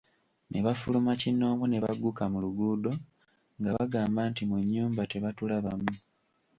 Ne bafuluma kinnoomu ne bagguka mu luguudo nga bagamba nti mu nnyumba tebatulabamu.